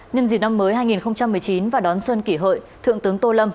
nhân dịp năm mới hai nghìn một mươi chín và đón xuân kỷ hợi thượng tướng tô lâm